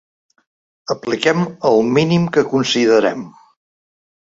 Apliquem el mínim que considerem.